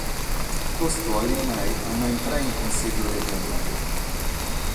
Custu cheret nàrrere a no intrare in Cussìgiu Regionale.